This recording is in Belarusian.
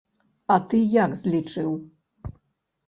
А ты як злічыў?